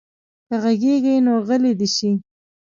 که غږېږي نو غلی دې شي.